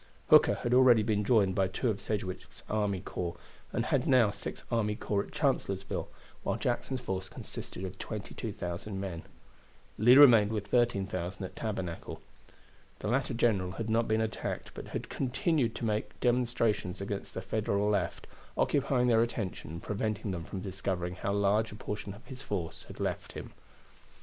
Hooker had already been joined by two of Sedgwick's army corps, and had now six army corps at Chancellorsville, while Jackson's force consisted of 22,000 men. Lee remained with 13,000 at Tabernacle. The latter general had not been attacked, but had continued to make demonstrations against the Federal left, occupying their attention and preventing them from discovering how large a portion of his force had left him.